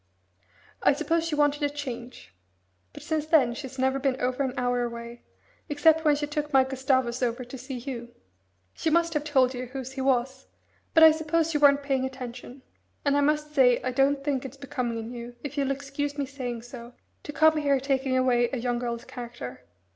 I suppose she wanted a change. But since then she's never been over an hour away, except when she took my Gustavus over to see you. She must have told you whose he was but I suppose you weren't paying attention. And I must say I don't think it's becoming in you, if you'll excuse me saying so, to come here taking away a young girl's character.